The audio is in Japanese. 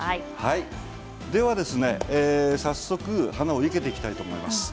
では早速、花を生けていきたいと思います。